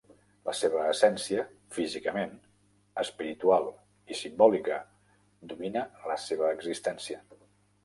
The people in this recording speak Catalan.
La seva essència, físicament, espiritual i simbòlica, domina la seva existència.